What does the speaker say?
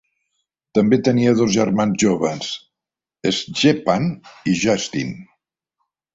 També tenia dos germans joves, Stjepan i Justin.